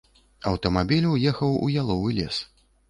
Аўтамабіль уехаў у яловы лес.